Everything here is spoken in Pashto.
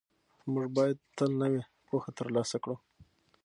موږ باید تل نوې پوهه ترلاسه کړو.